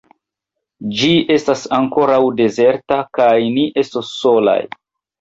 Ĝi estas ankoraŭ dezerta, kaj ni estos solaj.